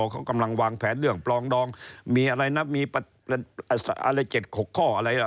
เขากำลังวางแผนเรื่องปลองดองมีอะไรนะมีอะไร๗๖ข้ออะไรล่ะ